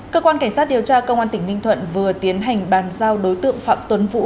cơ quan cảnh sát điều tra công an tỉnh ninh thuận vừa tiến hành bàn giao đối tượng phạm tuấn vũ